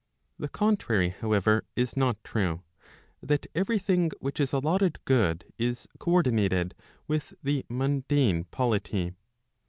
The contrary, however, is not true, that every thing which is allotted good is co ordi¬ nated with the mundane polity.